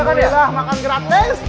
alhamdulillah makan gratis